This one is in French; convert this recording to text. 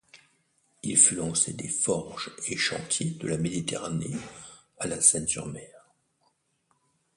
Il fut lancé des Forges et Chantiers de la Méditerranée à La Seyne-sur-Mer.